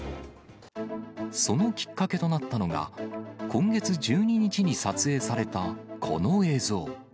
そのきっかけとなったのが、今月１２日に撮影されたこの映像。